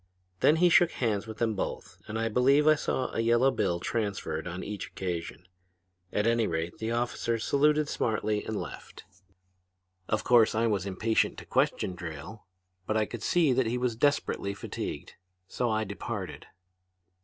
Then he shook hands with them both and I believe I saw a yellow bill transferred on each occasion. At any rate the officers saluted smartly and left. "Of course I was impatient to question Drayle, but I could see that he was desperately fatigued. So I departed.